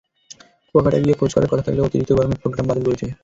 কুয়াকাটা গিয়ে খোঁজ করার কথা থাকলেও অতিরিক্ত গরমে প্রোগ্রাম বাতিল করেছি।